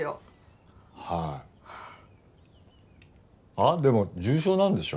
あっでも重傷なんでしょ？